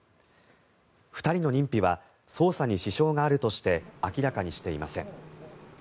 ２人の認否は捜査に支障があるとして明らかにしていません。